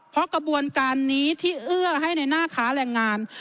เพราะกระบวนการนี้ที่เอื้อให้ในหน้าค้าแรงงาน